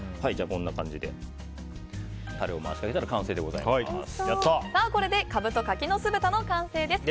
こんな感じでタレを回しかけたら完成です。